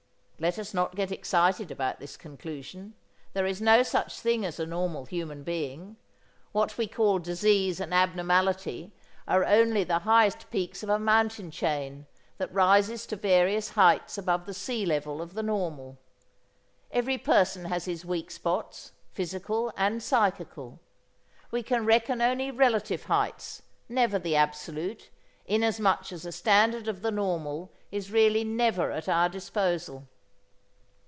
Let us not get excited about this conclusion. There is no such thing as a normal human being. What we call disease and abnormality are only the highest peaks of a mountain chain that rises to various heights above the sea level of the normal. Every person has his weak spots, physical and psychical. We can reckon only relative heights, never the absolute, inasmuch as a standard of the normal is really never at our disposal.